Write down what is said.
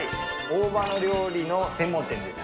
大葉料理の専門店です。